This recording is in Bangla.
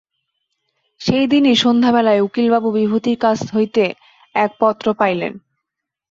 সেইদিনই সন্ধ্যাবেলায় উকিলবাবু বিভূতির কাছ হইতে এক পত্র পাইলেন।